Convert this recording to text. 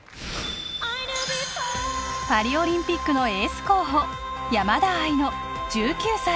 パリオリンピックのエース候補山田愛乃１９歳。